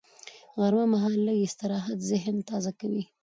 غرمه مهال لږ استراحت ذهن تازه کوي